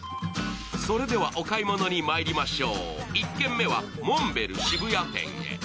それではお買い物にまいりましょう１軒目はｍｏｎｔ−ｂｅｌｌ渋谷店へ。